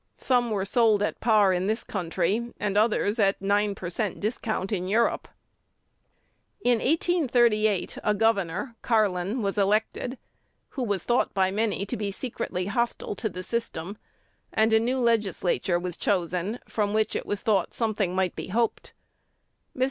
Some were sold at par in this country, and others at nine per cent discount in Europe. In 1838, a governor (Carlin) was elected who was thought by many to be secretly hostile to the "system;" and a new Legislature was chosen, from which it was thought something might be hoped. Mr.